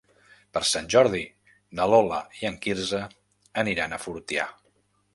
Per Sant Jordi na Lola i en Quirze aniran a Fortià.